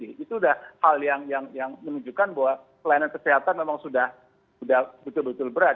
itu sudah hal yang menunjukkan bahwa pelayanan kesehatan memang sudah betul betul berat